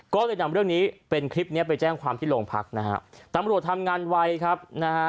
ก็เลยนำเรื่องนี้เป็นคลิปเนี้ยไปแจ้งความที่โรงพักนะฮะตำรวจทำงานไวครับนะฮะ